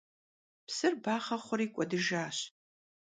Psır baxhe xhuri k'uedıjjaş.